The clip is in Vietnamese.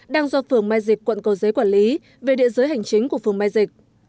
đang do phường mai dịch quận cầu giấy quản lý về địa giới hành chính của phường mai dịch